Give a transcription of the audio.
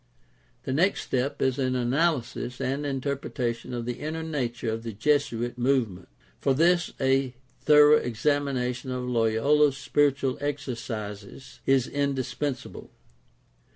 The next step is an analysis and interpretation of the inner nature of the Jesuit movement. For this a thorough examina tion of Loyola's Spiritual Exercises is indispensable.